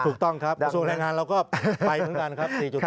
ถูกต้องครับกระทรวงแรงงานเราก็ไปเหมือนกันครับ